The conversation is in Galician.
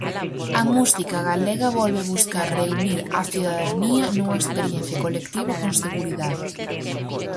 A música galega volve buscar reunir á cidadanía nunha experiencia colectiva con seguridade.